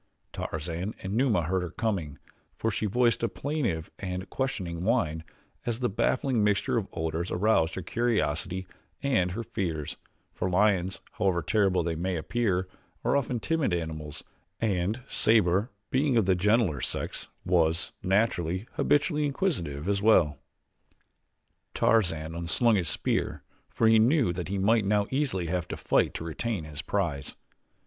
Tarzan and Numa heard her coming, for she voiced a plaintive and questioning whine as the baffling mixture of odors aroused her curiosity and her fears, for lions, however terrible they may appear, are often timid animals and Sabor, being of the gentler sex, was, naturally, habitually inquisitive as well. Tarzan un slung his spear for he knew that he might now easily have to fight to retain his prize.